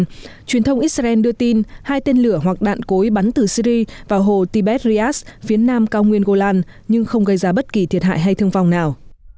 truyền thông israel đưa tin hai tên lửa hoặc đạn cối bắn từ syri vào hồ tibet rias phía nam cao nguyên golan nhưng không gây ra bất kỳ thiệt hại hay thương vong nào